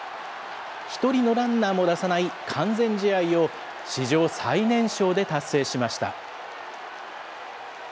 一人のランナーも出さない完全試合を、史上最年少で達成しました。